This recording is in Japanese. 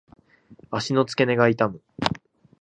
足の付け根が痛む。